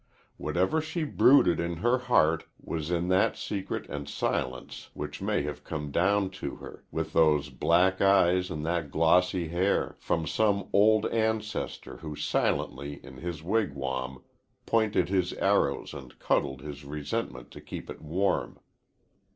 Whatever she brooded in her heart was in that secret and silence which may have come down to her, with those black eyes and that glossy hair, from some old ancestor who silently in his wigwam pointed his arrows and cuddled his resentment to keep it warm.